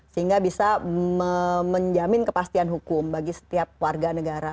sehingga bisa menjamin kepastian hukum bagi setiap warga negara